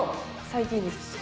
最近です。